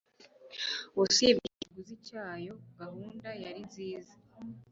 Usibye ikiguzi cyayo, gahunda yari nziza.